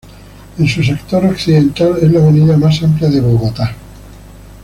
En su sector occidental es la avenida más amplia de Bogotá.